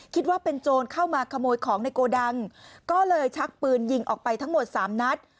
คิดว่าเป็นโจรเข้ามาขโมยของในโกดังก็เลยชักปืนยิงออกไปทั้งหมดสามนัด